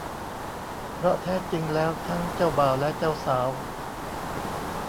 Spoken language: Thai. เพราะแท้จริงแล้วทั้งเจ้าบ่าวและเจ้าสาว